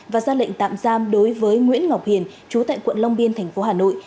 và ra lệnh tạm giam đối với nguyễn ngọc hiền chú tại quận long biên thành phố hà nội